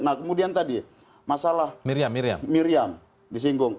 nah kemudian tadi masalah miriam disinggung